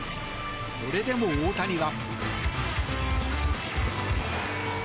それでも、大谷は。